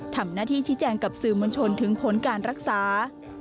ทำหน้าที่ชี้แจงกับสื่อมวลชนถึงผลการรักษา